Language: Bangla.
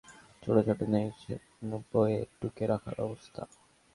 গার্দিওলা তবু নির্বিকার, নিয়মিত ছোটাছুটি নেই, নেই নোটবইয়ে টুকে রাখার ব্যস্ততা।